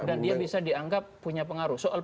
dan dia bisa dianggap punya pengaruh